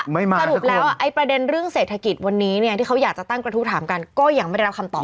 มาสรุปแล้วไอ้ประเด็นเรื่องเศรษฐกิจวันนี้เนี่ยที่เขาอยากจะตั้งกระทู้ถามกันก็ยังไม่ได้รับคำตอบ